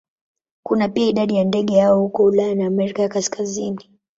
Kuna pia idadi ya ndege hao huko Ulaya na Amerika ya Kaskazini.